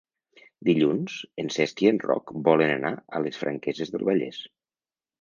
Dilluns en Cesc i en Roc volen anar a les Franqueses del Vallès.